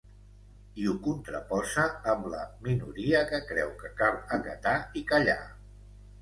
I ho contraposa amb ‘la minoria que creu que cal acatar i callar’.